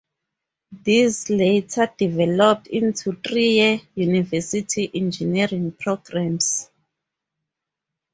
These later developed into three-year university engineering programmes.